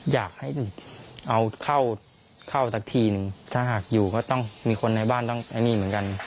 อยากให้เอาเข้าสักทีนึงถ้าหากอยู่ก็ต้องมีคนในบ้านต้องไอ้นี่เหมือนกัน